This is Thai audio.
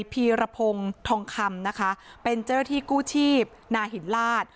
พีรพงศ์ทองคำนะคะเป็นเจ้าหน้าที่กู้ชีพนาหินลาศ